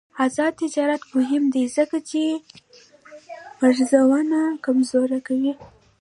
آزاد تجارت مهم دی ځکه چې مرزونه کمزوري کوي.